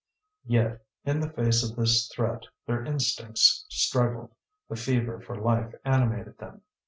Yet in the face of this threat their instincts struggled, the fever for life animated them.